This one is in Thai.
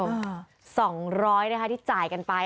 ๒๐๐บาทที่จ่ายกันไป